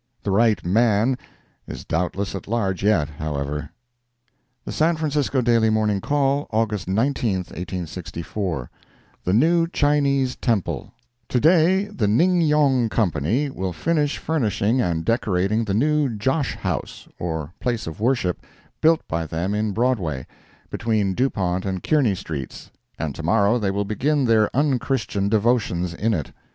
The right man is doubtless at large yet, however. The San Francisco Daily Morning Call, August 19, 1864 THE NEW CHINESE TEMPLE To day the Ning Yong Company will finish furnishing and decorating the new Josh house, or place of worship, built by them in Broadway, between Dupont and Kearny streets, and to morrow they will begin their unchristian devotions in it.